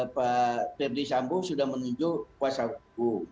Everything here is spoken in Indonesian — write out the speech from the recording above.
pak ferdie sambu sudah menuju kuasa hukum